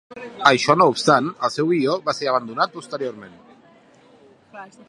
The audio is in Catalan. Això no obstant, el seu guió va ser abandonat posteriorment.